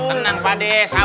denang padeh wied